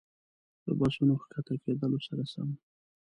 له بسونو ښکته کېدلو سره سم.